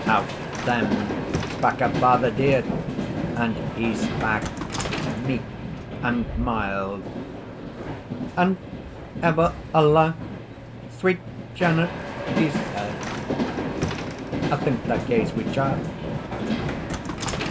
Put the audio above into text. Out then spak her father dear, And he spak meek and mild; "And ever alas, sweet Janet," he says. "I think thou gaes wi child."